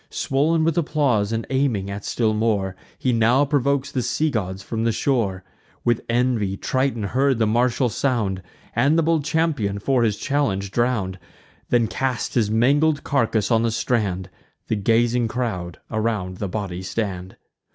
Swoln with applause, and aiming still at more, He now provokes the sea gods from the shore; With envy Triton heard the martial sound, And the bold champion, for his challenge, drown'd; Then cast his mangled carcass on the strand: The gazing crowd around the body stand.